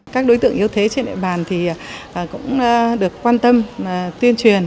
các đối tượng yếu thế trên địa bàn cũng được quan tâm tuyên truyền